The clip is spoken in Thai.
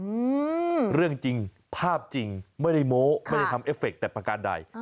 อืมเรื่องจริงภาพจริงไม่ได้โม้ไม่ได้ทำเอฟเฟคแต่ประการใด